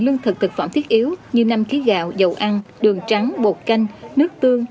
lương thực thực phẩm thiết yếu như năm khí gạo dầu ăn đường trắng bột canh nước tương